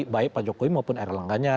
baik pak jokowi maupun erlangganya